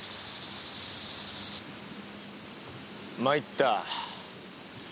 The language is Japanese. まいった。